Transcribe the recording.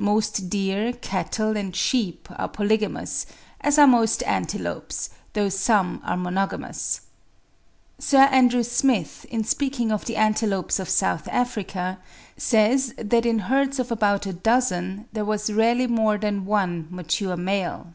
Most deer, cattle, and sheep are polygamous; as are most antelopes, though some are monogamous. Sir Andrew Smith, in speaking of the antelopes of South Africa, says that in herds of about a dozen there was rarely more than one mature male.